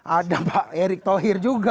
ada pak erik toh